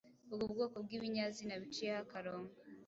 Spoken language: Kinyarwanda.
Vuga ubwoko bw’ibinyazina biciyeho akarongo.